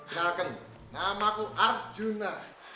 ingatkan nama ku arjuna